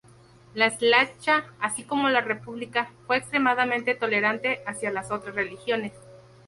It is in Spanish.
La "szlachta", así como la República, fue extremadamente tolerante hacia las otras religiones.